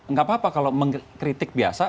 nggak apa apa kalau mengkritik biasa